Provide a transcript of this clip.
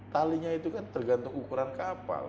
talinya itu kan tergantung ukuran kapal